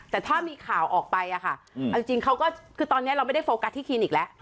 แต่ถ้ามีข่าวออกไปเอาจริงเขาก็คือตอนนี้เราไม่ได้โฟกัสที่คลินิกแล้ว